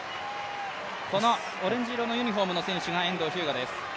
オレンジ色のユニフォームの選手が遠藤日向です。